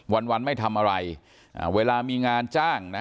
วันวันไม่ทำอะไรอ่าเวลามีงานจ้างนะ